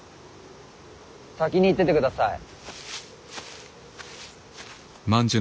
先に行っててください。